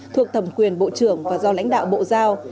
thuộc thẩm quyền bộ trưởng và do lãnh đạo bộ giao